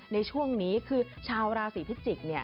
ในช่วงนี้คือชาวราศีพิจิกษ์